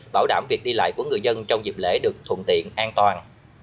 bảo đảm việc đi lại của người dân trong dịp lễ được thuận tiện an toàn